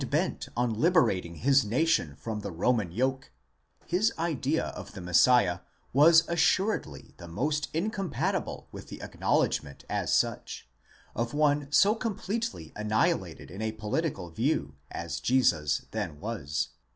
bent on liberating his nation from the Roman yoke, his idea of the Messiah was assuredly the most incompatible with the acknowledgment as such, of one so completely annihilated in a political view, as Jesus then was.